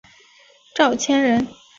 赵谦人。